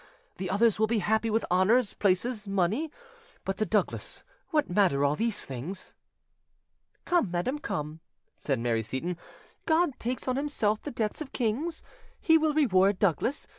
The others will be happy with honours, places, money; but to Douglas what matter all these things?" "Come, madam, come," said Mary Seyton, "God takes on Himself the debts of kings; He will reward Douglas.